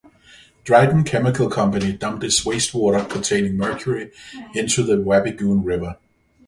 Dryden Chemical Company dumped its waste water containing mercury into the Wabigoon River.